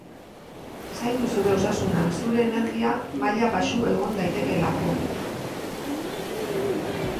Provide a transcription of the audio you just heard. Zaindu zure osasuna, zure energia maila baxu egon daitekeelako.